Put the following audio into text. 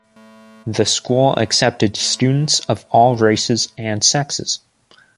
The school accepted students of all races and sexes.